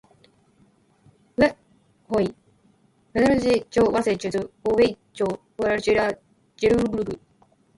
wd っへおい fhwfhfrG 除 j わせ jg おウィ qg じょ wrg じ thl ら jglqg